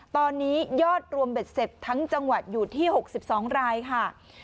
ตอนนี้ยอดรวมเบ็ดเสร็จทั้งจังหวัดอยู่ที่๖๒รายค่ะ